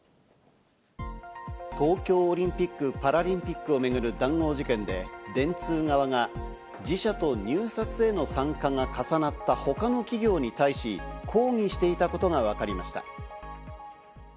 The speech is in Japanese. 東京オリンピック・パラリンピックを巡る談合事件で、電通側が自社と入札への参加が重なった他の企業に対し、抗議していたことがわかりました。